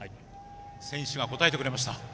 選手は応えてくれました。